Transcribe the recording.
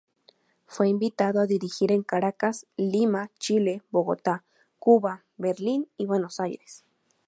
Fue invitado a dirigir en Caracas, Lima, Chile, Bogotá, Cuba, Berlín y Buenos Aires.